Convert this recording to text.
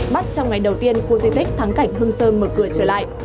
bắt trong ngày đầu tiên khu di tích thắng cảnh hương sơn mở cửa trở lại